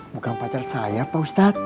bukan pacar saya pak ustadz